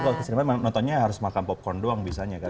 tapi waktu di cinema nontonnya harus makan popcorn doang bisanya kan